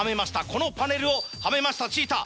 このパネルをはめましたちーたー。